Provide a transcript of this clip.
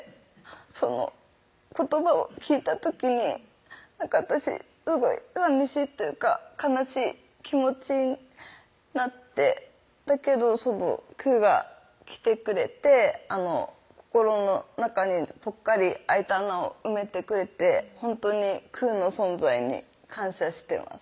その言葉を聞いた時に私すごいさみしいというか悲しい気持ちになってだけどくーが来てくれて心の中にぽっかりあいた穴を埋めてくれてほんとにくーの存在に感謝してます